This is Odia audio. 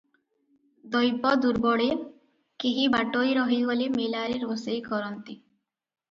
ଦୈବ ଦୁର୍ବଳେ କେହି ବାଟୋଇ ରହିଗଲେ ମେଲାରେ ରୋଷେଇ କରନ୍ତି ।